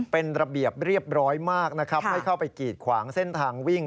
เป็นระเบียบเรียบร้อยมากนะครับไม่เข้าไปกีดขวางเส้นทางวิ่ง